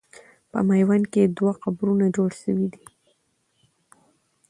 په میوند کې دوه قبرونه جوړ سوي دي.